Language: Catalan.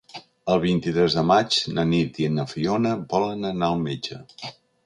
El vint-i-tres de maig na Nit i na Fiona volen anar al metge.